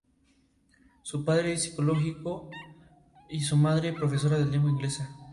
En los grupos, se informa a varios pacientes sobre su enfermedad al mismo tiempo.